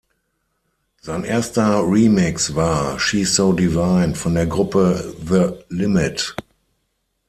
Sein erster Remix war "She’s so devine" von der Gruppe The Limit.